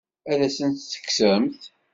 Ad asen-tt-tekksemt?